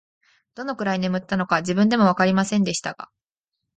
どのくらい眠ったのか、自分でもわかりませんでしたが、